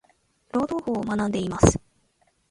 労働法を学んでいます。。